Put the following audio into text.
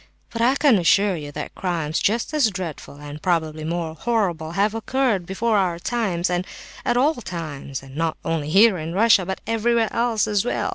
But I can assure you that crimes just as dreadful, and probably more horrible, have occurred before our times, and at all times, and not only here in Russia, but everywhere else as well.